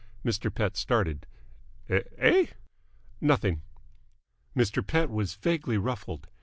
Mr. Pett started. "Eh?" "Nothing." Mr. Pett was vaguely ruffled.